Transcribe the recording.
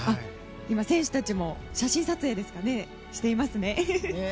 今、選手たちも写真撮影していますね。